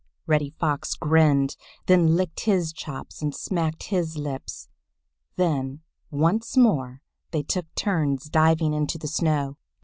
Reddy Fox grinned, then licked his chops and smacked his lips. Then once more they took turns diving into the snow.